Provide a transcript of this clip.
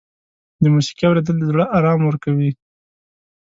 د موسیقۍ اورېدل د زړه آرام ورکوي.